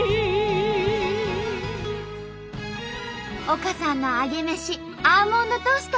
丘さんのアゲメシアーモンドトースト。